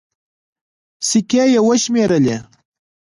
سيکې يې وشمېرلې.